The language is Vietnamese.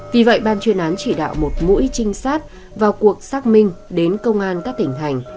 vì vậy ban chuyên án chỉ đạo một mũi trinh sát vào cuộc xác minh đến công an các tỉnh hành